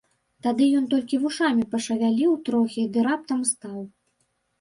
Тады ён толькі вушамі пашавяліў трохі ды раптам стаў.